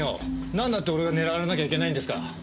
なんだって俺が狙われなきゃいけないんですか。